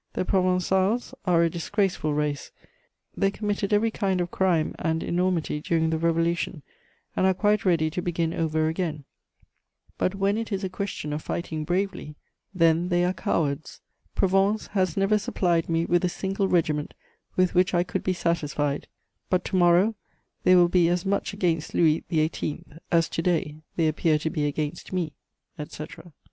The Provençals are a disgraceful race; they committed every kind of crime and enormity during the Revolution, and are quite ready to begin over again: but when it is a question of fighting bravely, then they are cowards. Provence has never supplied me with a single regiment with which I could be satisfied. But to morrow they will be as much against Louis XVIII. as to day they appear to be against me,' etc.... [Sidenote: His protests.